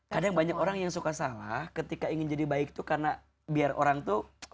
kadang banyak orang yang suka salah ketika ingin jadi baik itu karena biar orang tuh